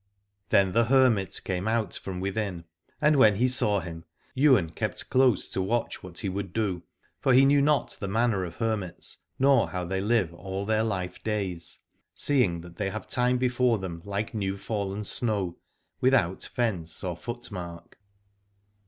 Then the hermit came out from within, and when he saw him Ywain kept close to watch what he would do, for he knew not the manner of hermits, nor how they live all their life days, seeing that they have time 22 Aladore before them like new fallen snow, without fence or foot mark.